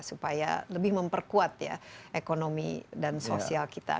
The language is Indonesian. supaya lebih memperkuat ya ekonomi dan sosial kita